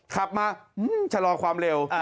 ขับมาชะลอความเร็ว